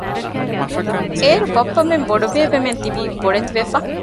އޭރު ބައްޕަމެން ބޮޑުބޭބެމެން ތިބީ ބޮޑެތި ވެފަ